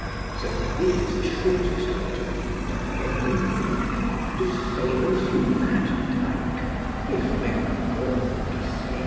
So this is the shortest way to Ynde there may be, to sail through that dyke, if men gon by sea.